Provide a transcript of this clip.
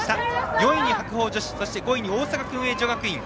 ４位に白鵬女子５位に大阪薫英女学院。